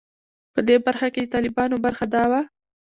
په دې برخه کې د طالبانو برخه دا وه.